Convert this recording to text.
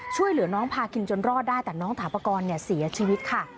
ช่วยเหลือน้องพาคินจนรอดได้แต่น้องถาปกรณ์เสียชีวิตค่ะ